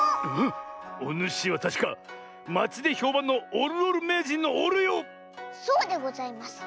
おぬしはたしかまちでひょうばんのおるおるめいじんのおるよ⁉そうでございます。